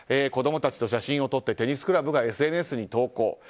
子供たちと写真を撮ってテニスクラブがＳＮＳに投稿。